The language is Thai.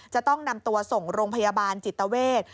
จะต้องนำตัวส่งโรงพยาบาลจิตเวท